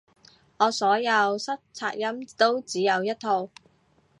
我所有塞擦音都只有一套